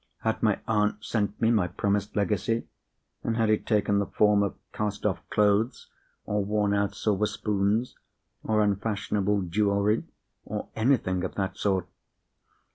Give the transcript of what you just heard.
Had my aunt sent me my promised legacy? and had it taken the form of cast off clothes, or worn out silver spoons, or unfashionable jewellery, or anything of that sort?